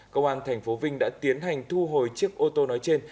công an thành phố vinh đã tiến hành thu hồi chiếc ô tô nói trên